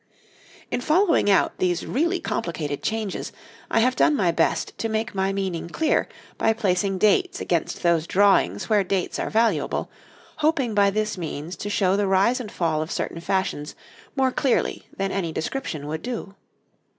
}] In following out these really complicated changes, I have done my best to make my meaning clear by placing dates against those drawings where dates are valuable, hoping by this means to show the rise and fall of certain fashions more clearly than any description would do.